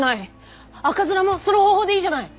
赤面もその方法でいいじゃない！